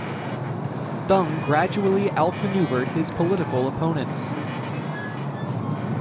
Deng gradually outmaneuvered his political opponents.